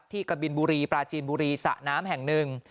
กะบินบุรีปลาจีนบุรีสระน้ำแห่งหนึ่ง